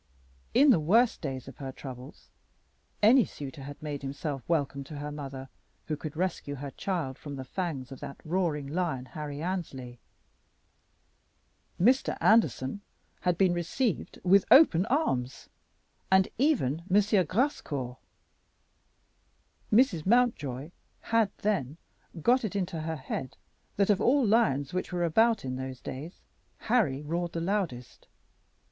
In the worse days of her troubles any suitor had made himself welcome to her mother who would rescue her child from the fangs of that roaring lion, Harry Annesley. Mr. Anderson had been received with open arms, and even M. Grascour. Mrs. Mountjoy had then got it into her head that of all lions which were about in those days Harry roared the loudest.